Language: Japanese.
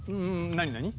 なになに？